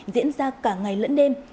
diễn ra cả ngày lẫn đêm